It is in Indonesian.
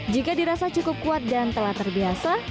jika dirasa cukup kuat dan telah terbiasa